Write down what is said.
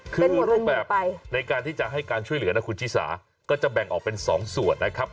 คือรูปแบบในการที่จะให้การช่วยเหลือนะคุณชิสาก็จะแบ่งออกเป็น๒ส่วนนะครับ